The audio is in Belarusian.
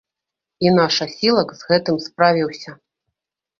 І наш асілак з гэтым справіўся.